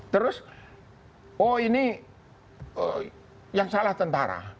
terus oh ini yang salah tentara